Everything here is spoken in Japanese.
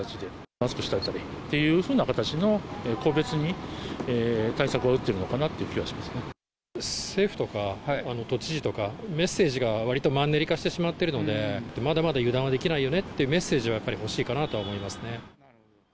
マスクしたりというふうな形の、個別に対策を打ってるのかなとい政府とか、都知事とか、メッセージがわりとマンネリ化してしまっているので、まだまだ油断はできないよねっていうメッセージはやっぱり欲しいかなとは思